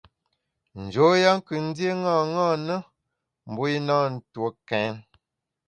Njoya kù ndié ṅaṅâ na, mbu i na ntue kèn.